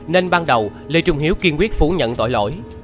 nên ban đầu lê trung hiếu kiên quyết phủ nhận tội lỗi